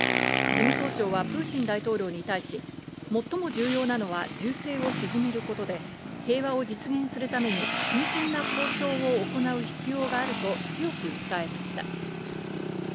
事務総長はプーチン大統領に対し、最も重要なのは銃声を沈めることで、平和を実現するために真剣な交渉を行う必要があると強く訴えました。